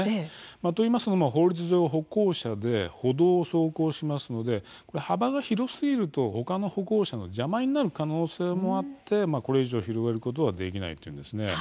といいますのも法律上歩行者で歩道を走行しますので幅が広すぎるとほかの歩行者の邪魔になる可能性もあってこれ以上広げることはできないというわけです。